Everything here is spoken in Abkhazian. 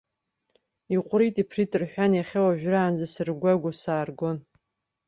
Иҟәрит-иԥрит рҳәан, иахьа уажәраанӡа сыргәагәо сааргон.